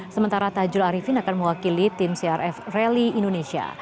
sementara tajul arifin akan mewakili tim crf rally indonesia